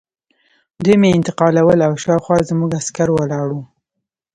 دوی مې انتقالول او شاوخوا زموږ عسکر ولاړ وو